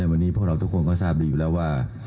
วันนี้พวกเราทุกคนก็ทราบดีอยู่แล้วว่า